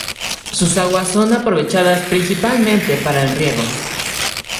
Sus aguas son aprovechadas principalmente para el riego.